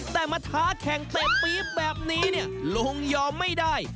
แต่มาท้าแข่งเตะปี๊บแบบนี้เนี่ยลุงยอมไม่ได้